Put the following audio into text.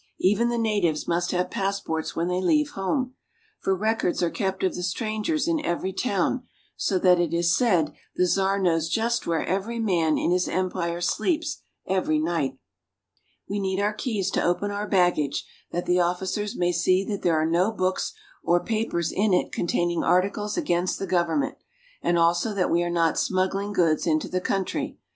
Even the natives must have passports when they leave home, for records are kept of the strangers in every town, so that it is said the Czar knows just where every man in his empire sleeps every night We need our keys to open our baggage, that the officers may see that there are no books or papers in it containing articles against the government, and also that we are not smuggling goods into the country.